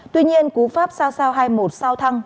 tuy nhiên cú pháp ra sao hai mươi một sao thăng